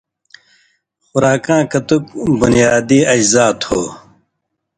خوراکاں کتُوک بنیادی اجزا تھو